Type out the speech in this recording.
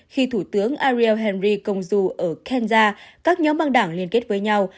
khi thủ tướng ariel henry công du ở kenya các nhóm băng đảng liên kết với nhau